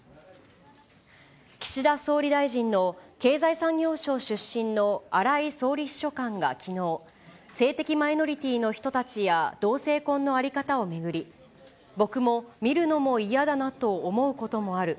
岸田総理大臣の経済産業省出身の荒井総理秘書官がきのう、性的マイノリティーの人たちや同性婚の在り方を巡り、僕も見るのも嫌だなと思うこともある。